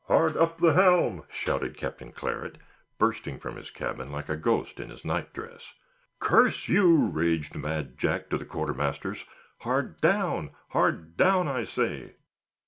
"Hard up the helm!" shouted Captain Claret, bursting from his cabin like a ghost, in his nightdress. "Curse you!" raged Mad Jack to the quartermasters; "hard down, hard down, I say."